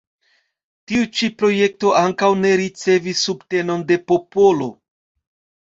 Tiu ĉi projekto ankaŭ ne ricevis subtenon de popolo.